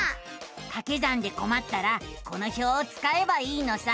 かけ算でこまったらこの表をつかえばいいのさ。